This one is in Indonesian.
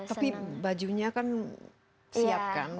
tapi bajunya kan siap kan